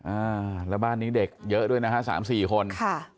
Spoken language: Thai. อ่าแล้วบ้านนี้เด็กเยอะด้วยนะฮะสามสี่คนค่ะ